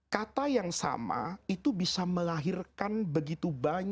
kata yang sama itu bisa melahirkan begitu banyak